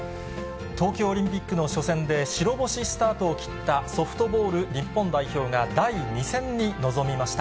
東京オリンピックの初戦で白星スタートを切ったソフトボール日本代表が第２戦に臨みました。